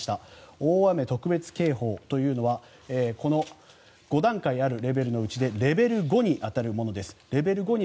大雨特別警報というのはこの５段階あるレベルのうちでレベル５に当たるものです。